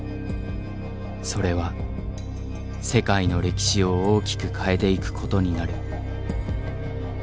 それは世界の歴史を大きく変えていくことになる。